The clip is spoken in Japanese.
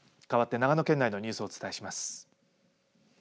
かわって長野県内のニュースをお伝えします。